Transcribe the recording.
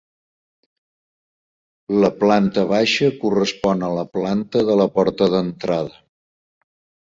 La planta baixa correspon a la planta de la porta d'entrada.